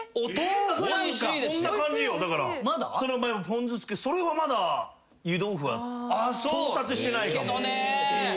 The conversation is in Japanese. ポン酢つけてそれはまだ湯豆腐は到達してないかも。